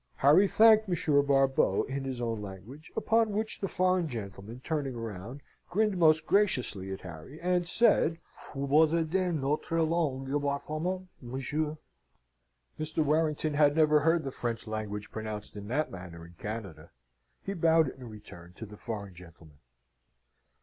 Harry thanked Monsieur Barbeau in his own language, upon which the foreign gentleman, turning round, grinned most graciously at Harry, and said, "Fous bossedez notre langue barfaidement, monsieur." Mr. Warrington had never heard the French language pronounced in that manner in Canada. He bowed in return to the foreign gentleman.